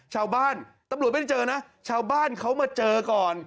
ชาวบ้านตำรวจไม่ได้เจอนะชาวบ้านเขามาเจอก่อน